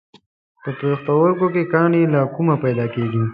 په پښتورګو کې کاڼي له کومه پیدا کېږي؟